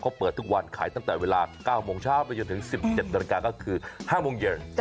เขาเปิดทุกวันขายตั้งแต่เวลา๙โมงเช้าไปจนถึง๑๗นาฬิกาก็คือ๕โมงเย็น